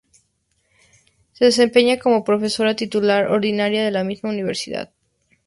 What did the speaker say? Se desempeña como profesora titular ordinaria de la misma Universidad.